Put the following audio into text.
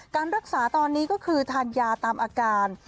การรักษาตอนนี้ก็คือทานยาตามอาการ